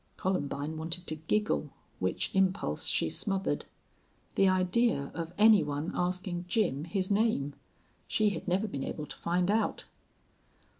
Columbine wanted to giggle, which impulse she smothered. The idea of any one asking Jim his name! She had never been able to find out.